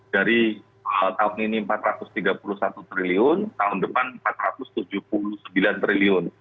dari tahun ini rp empat ratus tiga puluh satu triliun tahun depan rp empat ratus tujuh puluh sembilan triliun